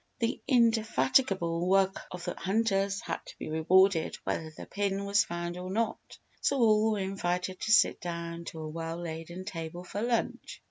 The indefatigable work of the hunters had to be rewarded whether the pin was found or not, so all were invited to sit down to a well laden table for lunch.